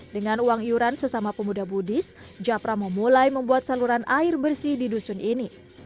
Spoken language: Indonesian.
dengan uang iuran sesama pemuda buddhis japra memulai membuat saluran air bersih di dusun ini